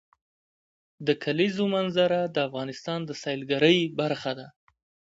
د کلیزو منظره د افغانستان د سیلګرۍ برخه ده.